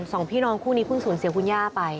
สองพี่น้องคู่นี้เพิ่งสูญเสียคุณย่าไป